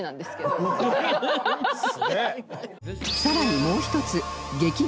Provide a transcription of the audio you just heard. さらにもう一つ激